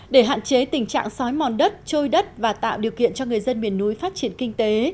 để hạn chế tình trạng sói mòn đất trôi đất và tạo điều kiện cho người dân miền núi phát triển kinh tế